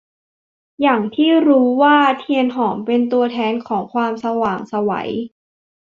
อย่างที่รู้กันว่า เทียนหอม เป็นตัวแทนของความสว่างไสว